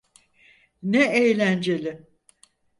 Ne eğlenceli.